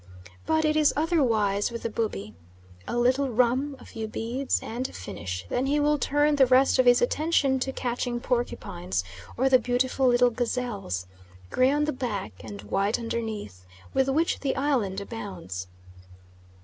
But it is otherwise with the Bubi. A little rum, a few beads, and finish then he will turn the rest of his attention to catching porcupines, or the beautiful little gazelles, gray on the back, and white underneath, with which the island abounds.